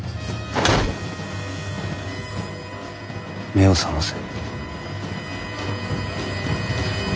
目を覚ませ。